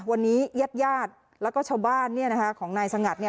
วันนี้ญาติญาติแล้วก็ชาวบ้านของนายสงัด